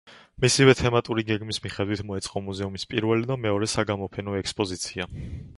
მისივე თემატური გეგმის მიხედვით მოეწყო მუზეუმის პირველი და მეორე საგამოფენო ექსპოზიცია.